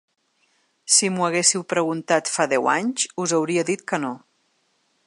Si m’ho haguéssiu preguntat fa deu anys, us hauria dit que no.